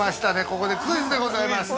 ここでクイズでございます。